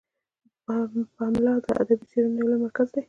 پملا د ادبي څیړنو یو لومړی مرکز دی.